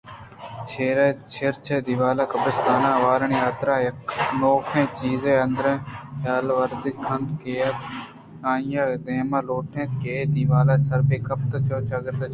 چرچ ءِ دیوالءُ قبرستان آوانی حاتراا یک نوکیں چیر ءُاندریں حیالے ودی کنگ ءَ اِت اَنت ءُآئیءَ دائم لوٹ اِت کہ اے دیوال ءَ سر بہ کپیت ءُچپ ءُچاگرد ءَ چمودا بہ چاریت